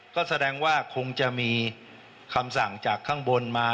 ก็แสดงว่าคงจะมีคำสั่งจากข้างบนมา